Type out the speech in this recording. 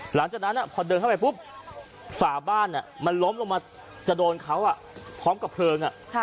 หลังจากนั้นพอเดินเข้าไปปุ๊บฝาบ้านมันล้มลงมาจะโดนเขาพร้อมกับเพลิง